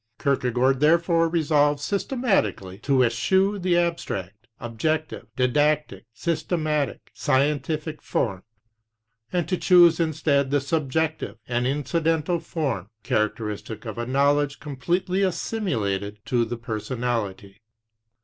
Kierkegaard therefore resolved systematically to eschew the abstract, ob jective, didactic, systematic, scientific form, and to choose instead the subjective and incidental form characteristic of a knowledge completely assimilated to the personality.